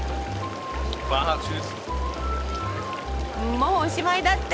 もうおしまいだって。